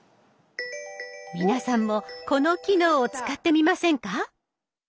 皆さんもこの機能を使ってみませんか？